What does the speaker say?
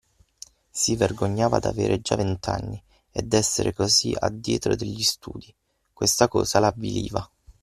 Si vergognava d'aver già vent'anni, e d'essere così a dietro degli studii: questa cosa l'avviliva.